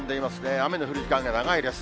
雨の降る時間が長いです。